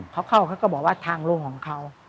เขาเข้าเขาก็บอกว่าทางลงของเขา